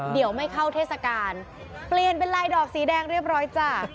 เดี๋ยวไม่เข้าเทศกาลเปลี่ยนเป็นลายดอกสีแดงเรียบร้อยจ้ะ